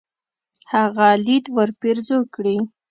هغه ليد ورپېرزو کړي.